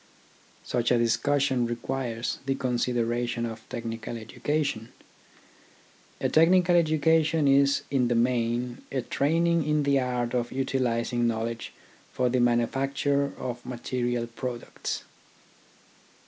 Such a discussion requires the consideration of TECHNICAL EDUCATION 41 technical education. A technical education is in the main a training in the art of utilising know ledge for the manufacture of material products.